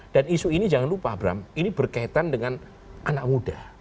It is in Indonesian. dan isu ini jangan lupa abram ini berkaitan dengan anak muda